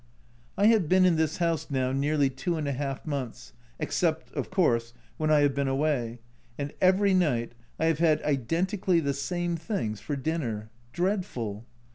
I have been in this house now nearly two and a half months except, of course, when I have been away and every night I have had identically the same things for dinner. Dreadful